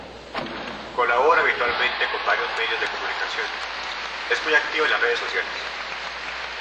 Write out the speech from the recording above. Colabora habitualmente con varios medios de comunicación, es muy activo en las redes sociales.